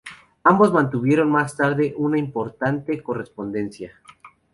Ambos mantuvieron más tarde una importante correspondencia.